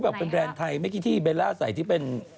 แบรนด์ไทยไม่คิดที่เบลล่าใส่ที่เป็น